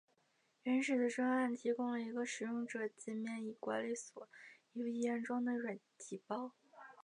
原始的专案提供了一个使用者介面以管理所有已安装的软体包。